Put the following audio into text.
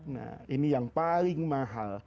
nah ini yang paling mahal